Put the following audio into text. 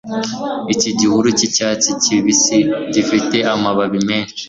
Iki gihuru cyi cyatsi kibisi gifite amababi meshi